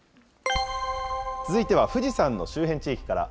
続いては富士山の周辺地域から。